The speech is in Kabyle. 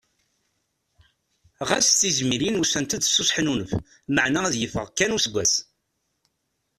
Ɣas tizmilin ussant-d s useḥnunef maɛna ad yeffeɣ kan useggas.